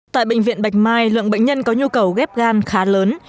tại bệnh viện bạch mai lượng bệnh nhân có nhu cầu ghép gan khá lớn